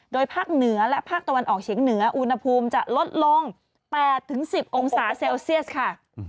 ภาคเหนือและภาคตะวันออกเฉียงเหนืออุณหภูมิจะลดลง๘๑๐องศาเซลเซียสค่ะ